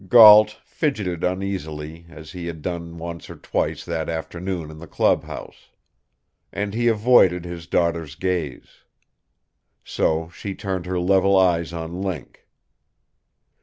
Gault fidgeted uneasily, as he had done once or twice that afternoon in the clubhouse. And he avoided his daughter's gaze. So she turned her level eyes on Link.